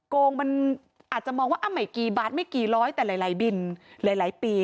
โกงมันอาจจะมองว่าอ่ะไหมกี่บาทไม่กี่ร้อยแต่หลายหลายบินหลายหลายปี